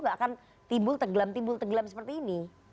nggak akan timbul tegelam tegelam seperti ini